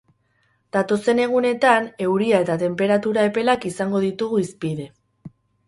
Datozen egunetan euria eta tenperatura epelak izango ditugu hizpide.